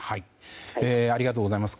ありがとうございます。